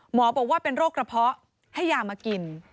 บอกว่าเป็นโรคกระเพาะให้ยามากิน